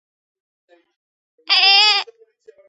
მოპირდაპირე მხარეს აივანს პირვანდელი სახე დაკარგული ჰქონდა.